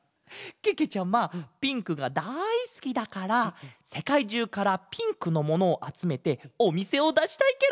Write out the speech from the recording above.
けけちゃまピンクがだいすきだからせかいじゅうからピンクのものをあつめておみせをだしたいケロ！